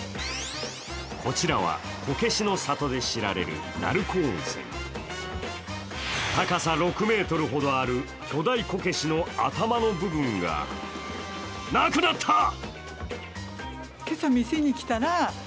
こちらは、こけしの里で知られる鳴子温泉高さ６ｍほどある巨大こけしの頭の部分がなくなった。